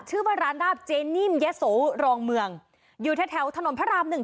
ชื่อว่าร้านราบเจนิ่มยะโสรองเมืองอยู่แถวแถวถนนพระรามหนึ่ง